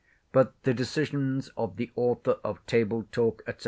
But the decisions of the Author of Table Talk, &c.